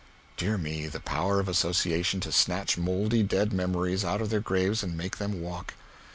Dear me, the power of association to snatch mouldy dead memories out of their graves and make them walk!